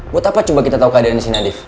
buat apa coba kita tau keadaannya sinadif